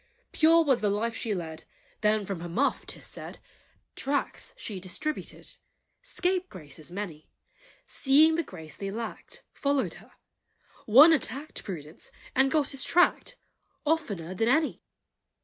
Pure was the life she led Then: from her Muff, 't is said, Tracts she distributed; Scapegraces many, Seeing the grace they lacked, Followed her; one attacked Prudence, and got his tract, Oftener than any!